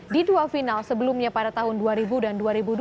di dua final sebelumnya pada tahun dua ribu dan dua ribu dua